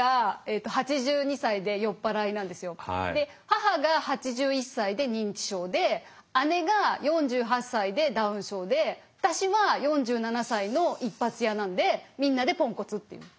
母が８１歳で認知症で姉が４８歳でダウン症で私は４７歳の一発屋なんでみんなでポンコツっていう。